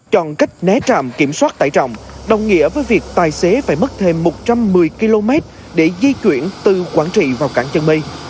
chọn cách né trạm kiểm soát tải trọng đồng nghĩa với việc tài xế phải mất thêm một trăm một mươi km để di chuyển từ quảng trị vào cảng chân mây